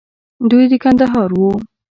دوى د کندهار وو.